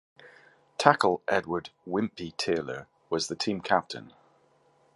Tackle Edward "Wimpy" Taylor was the team captain.